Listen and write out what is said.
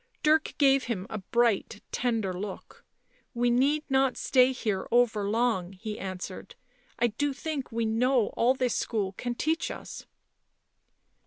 Dirk gave him a bright tender look. " We need not stay here over long," he answered. " I do think we know all this school can teach us."